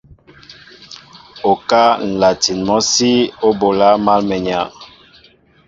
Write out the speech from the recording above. Okáá nlatin mɔsí o ɓola mal mwenya.